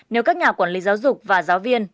nếu các nhà quản lý giáo dục và giáo viên